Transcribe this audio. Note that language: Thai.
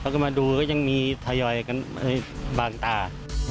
ก็มาดูก็ยังมีถยอยบางตา